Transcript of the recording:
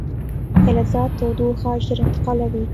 فلزات تودوخه ژر انتقالوي.